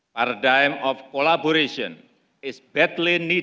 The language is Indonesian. paradigma kolaborasi terlalu berharga untuk melindungi dunia